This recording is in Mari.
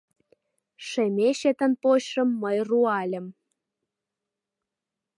— Шемечетын почшым мый руальым...